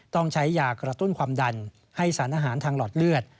ต้องใช้ยากระตุ้นความดันให้สารอาหารทางหลอดเลือด